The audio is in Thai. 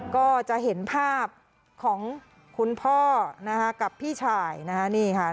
ก็จะเห็นภาพของคุณพ่อนะคะกับพี่ชายนะฮะนี่ค่ะ